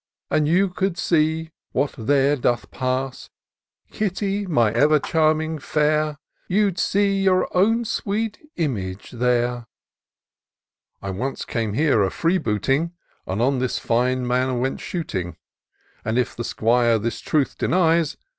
And you could see what there doth pass, Kitty, my ever charming fair ! You'd see your own sweet image there." " I once came here a freebooting, And on this fine manor went shooting. And if the 'Squire this truth d^es.